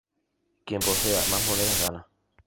Quien posea más monedas, gana.